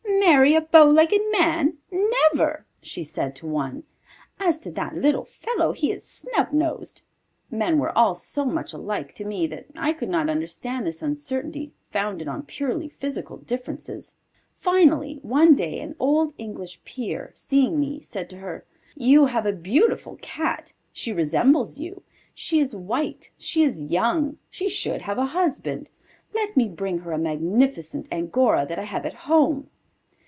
"Marry a bow legged man! Never!" she said of one. "As to that little fellow he is snub nosed." Men were all so much alike to me that I could not understand this uncertainty founded on purely physical differences. Finally one day an old English Peer, seeing me, said to her: "You have a beautiful Cat. She resembles you. She is white, she is young, she should have a husband. Let me bring her a magnificent Angora that I have at home."